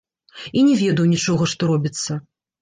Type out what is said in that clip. І не ведаў нічога, што робіцца.